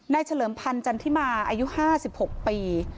เฉลิมพันธ์จันทิมาอายุ๕๖ปี